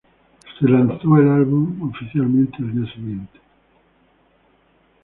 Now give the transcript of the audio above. El álbum fue lanzado oficialmente al día siguiente.